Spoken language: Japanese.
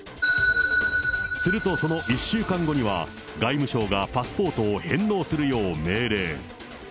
するとその１週間後には、外務省がパスポートを返納するよう命令。